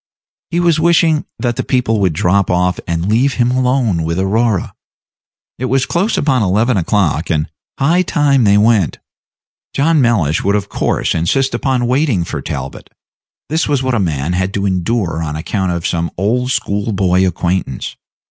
He was wishing that the people would drop off and leave him alone with Aurora. It was close upon eleven o'clock, and high time they went. John Mellish would of course insist upon waiting for Talbot; this was what a man had to endure on account of some old school boy acquaintance.